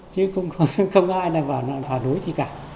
chứ không có ai vào núi gì cả